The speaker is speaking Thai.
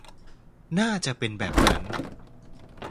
น่าจะเป็นแบบนั้น